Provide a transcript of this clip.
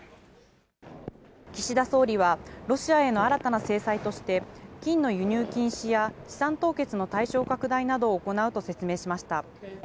岸田総理はロシアへの新たな制裁として金の輸入禁止や資産凍結の対象拡大などを行うと説明しました。